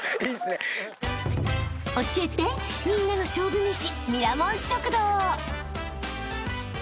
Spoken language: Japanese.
［教えてみんなの勝負めし］